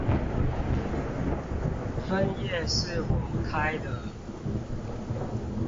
分頁是我開的